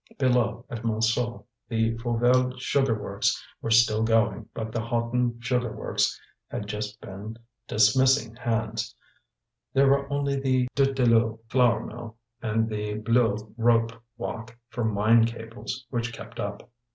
Below, at Montsou, the Fauvelle sugar works were still going, but the Hoton sugar works had just been dismissing hands; there were only the Dutilleul flour mill and the Bleuze rope walk for mine cables which kept up.